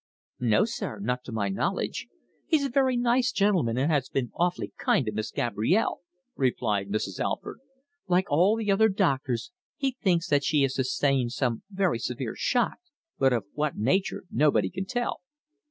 "No, sir. Not to my knowledge. He's a very nice gentleman, and has been awfully kind to Miss Gabrielle," replied Mrs. Alford. "Like all the other doctors he thinks that she has sustained some very severe shock but of what nature nobody can tell."